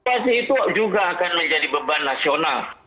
pasti itu juga akan menjadi beban nasional